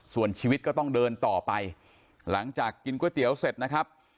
ส่วนชีวิตก็ต้องเดินต่อไปหลังจากกินก๋วยเตี๋ยวเสร็จนะครับ